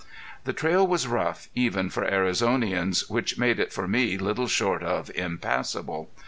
The trail was rough, even for Arizonians, which made it for me little short of impassable.